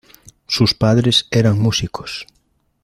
Sus padres eran músicos.